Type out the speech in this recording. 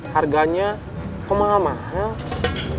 harganya kok mahal mahal